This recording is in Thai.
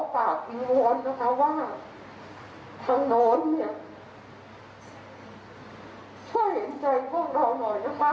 ทางนักข่าวหรือว่าทางผู้ใหญ่นะคะหวัดว่าเรื่องนี้เรียนขอว่า